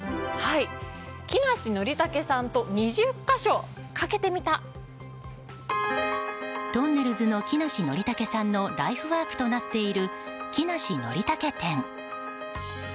木梨憲武さんと２０か所をとんねるずの木梨憲武さんのライフワークとなっている「木梨憲武展」。